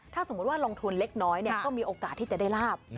ถ้าสมมุติว่าลงทุนเล็กน้อยก็มีโอกาสที่จะได้ลาบ